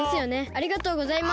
ありがとうございます。